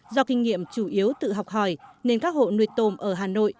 do kinh nghiệm chủ yếu tự học hỏi nên các hộ nuôi tôm ở hà nội